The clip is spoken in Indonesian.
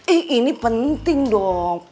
eh ini penting dong